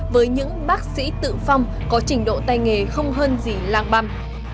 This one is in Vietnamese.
với những bác sĩ tự phong có trình độ tay nghề không hơn gì lang băm